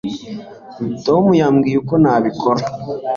tom yambwiye uko nabikora